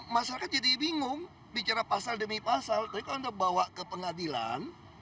masyarakat jadi bingung bicara pasal demi pasal tapi kalau anda bawa ke pengadilan